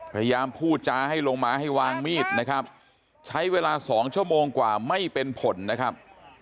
พยายามพูดจาให้ลงมาให้วางมีดนะครับใช้เวลาสองชั่วโมงกว่าไม่เป็นผลนะครับ